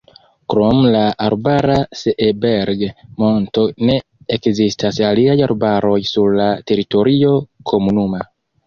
Krom la arbara Seeberg-monto ne ekzistas aliaj arbaroj sur la teritorio komunuma.